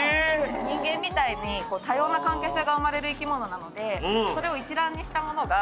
人間みたいに多様な関係性が生まれる生き物なのでそれを一覧にしたものが。